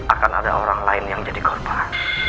akan ada orang lain yang jadi korban